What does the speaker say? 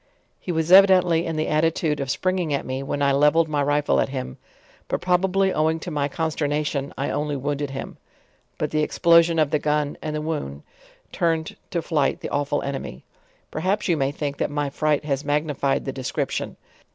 He was evidently in the attitude of springing at me, when I levelled my riflle at him; but probably owing to my consternation, I only wounded him; but the explosion of the gun and the wound turned to flight the awful enemy. Per haps you may think, that my fright has magnified the de scription.